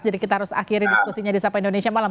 jadi kita harus akhiri diskusinya di sapa indonesia malam